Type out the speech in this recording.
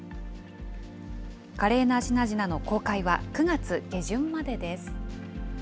華麗な品々の公開は９月下旬までです。